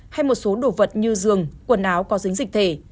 hay một số đồ vật như giường quần áo có dính dịch thể